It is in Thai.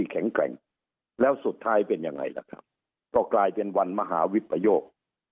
กลายเป็นวันมหาวิปโยค